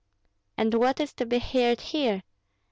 "And what is to be heard here?"